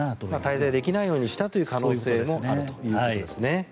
滞在できないようにしたという可能性もあるということですね。